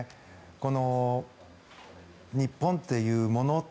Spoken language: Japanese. この日本というもの